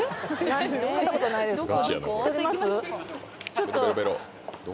買ったことないですか？